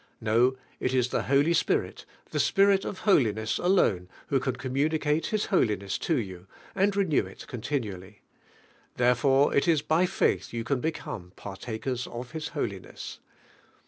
No, it is the Holy Spir it, this Spirit of holiness alone who ran communicate His holiness to yon and re new it continually. Therefore it is by faith yon can become "partakers of His holiness."